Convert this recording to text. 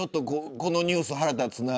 このニュース、腹立つな。